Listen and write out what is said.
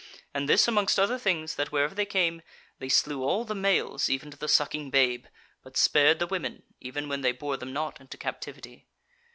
And this amongst other things, that wherever they came, they slew all the males even to the sucking babe, but spared the women, even when they bore them not into captivity.